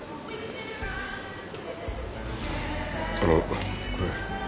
あのこれ。